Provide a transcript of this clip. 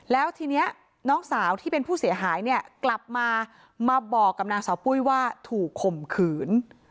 แล้วทีนี้น้องสาวที่เป็นผู้เสียหายเนี่ยกลับมามาบอกกับนางสาวปุ้ยว่าถูกข่มขืน